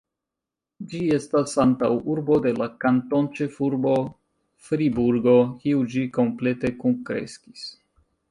Ĝi estas antaŭurbo de la kantonĉefurbo Friburgo, kiu ĝi komplete kunkreskis.